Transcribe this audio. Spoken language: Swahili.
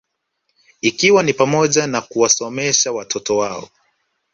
Ikiwa ni pamoja na kuwasomesha watoto wao